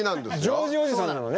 ジョージおじさんなのね？